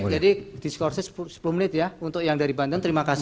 diskorsi sepuluh menit ya untuk yang dari banten terima kasih